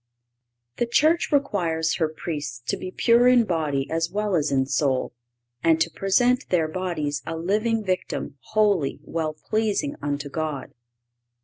The Church requires her Priests to be pure in body as well as in soul, and to "present their bodies a living victim, holy, well pleasing unto God."